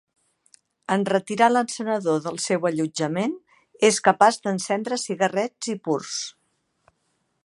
En retirar l'encenedor del seu allotjament, és capaç d'encendre cigarrets i purs.